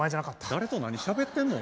誰と何しゃべってんの？